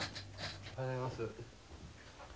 おはようございます。